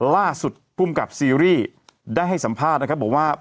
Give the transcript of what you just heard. ล่าสุดภูมิกับซีรีส์ได้ให้สัมภาษณ์นะครับบอกว่า